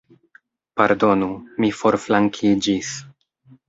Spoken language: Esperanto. Pardonu, mi forflankiĝis.